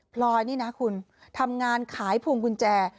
ลอยนี่นะคุณทำงานขายพวงกุญแจ